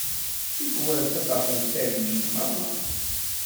Tikwal, ttaṭṭafen-t tallit merra.